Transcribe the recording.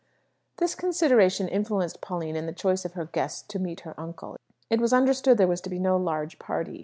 This consideration influenced Pauline in the choice of her guests to meet her uncle. It was understood there was to be no large party.